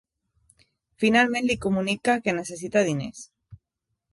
Finalment li comunica que necessita diners.